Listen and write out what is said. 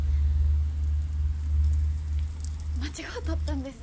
間違うとったんです。